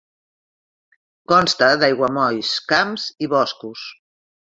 Consta d'aiguamolls, camps i boscos.